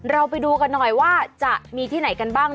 ไปดูกันหน่อยว่าจะมีที่ไหนกันบ้าง